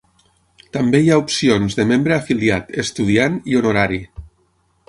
També hi ha opcions de membre afiliat, estudiant i honorari.